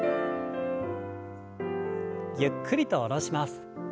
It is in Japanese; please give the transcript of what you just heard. ゆっくりと下ろします。